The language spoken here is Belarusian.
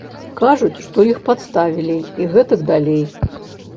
Кажуць, што іх падставілі і гэтак далей.